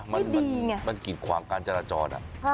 มันกิดขวางการจราจร